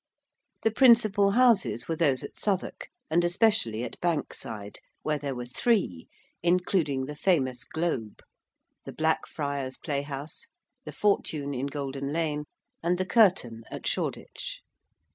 The principal Houses were those at Southwark, and especially at Bank Side, where there were three, including the famous Globe: the Blackfriars Playhouse: the Fortune in Golden Lane, and the Curtain at Shoreditch.